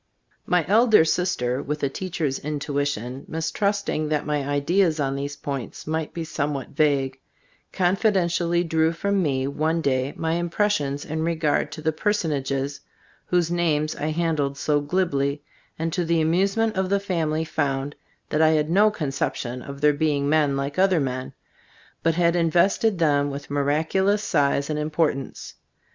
My elder sister, with a teacher's intuition, mistrusting that my ideas on these points might be *• 3be Storg of As Cbf K>boo*> somewhat vague, confidentially drew from me one day my impressions in regard to the personages whose names I handled so glibly, and to the amuse ment of the family found that I had no conception of their being men like other men, but had invested them with miraculous size and importance.